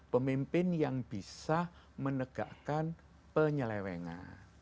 pemimpin yang bisa menegakkan penyelewengan